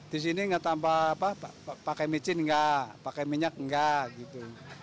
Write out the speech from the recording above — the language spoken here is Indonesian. di sini nggak tambah apa pakai micin enggak pakai minyak enggak gitu